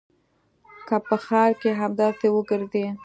که په ښار کښې همداسې وګرځې.